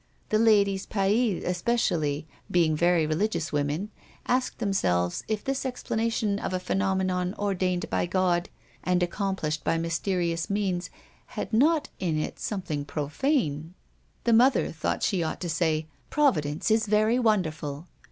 The ladies Paille especially, being very religious women, asked themselves if this explanation of a phenomenon ordained by God and accomplished by mysterious means had not in it something profane. The mother thought she ought to say: "Providence is very wonderful."